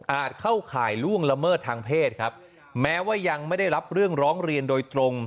เข้าข่ายล่วงละเมิดทางเพศครับแม้ว่ายังไม่ได้รับเรื่องร้องเรียนโดยตรง